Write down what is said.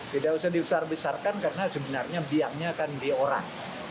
tidak usah dibesarkan besarkan karena sebenarnya biangnya akan diorang